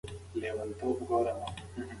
د تلویزون غږ په کوټه کې خپور و.